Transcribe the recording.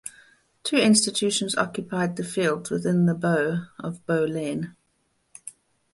Two institutions occupied the fields within the bow of Bow Lane.